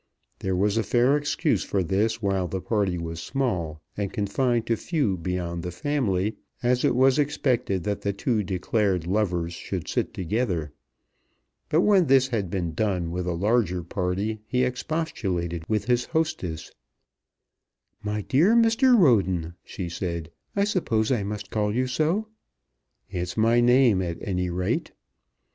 There was a fair excuse for this while the party was small, and confined to few beyond the family, as it was expected that the two declared lovers should sit together. But when this had been done with a larger party he expostulated with his hostess. "My dear Mr. Roden," she said, "I suppose I must call you so." "It's my name at any rate."